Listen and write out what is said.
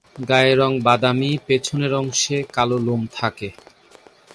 গায়ের রং বাদামি, পেছনের অংশে কালো লোম থাকে।